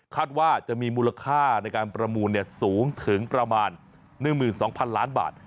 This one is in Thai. ว่าจะมีมูลค่าในการประมูลสูงถึงประมาณ๑๒๐๐๐ล้านบาท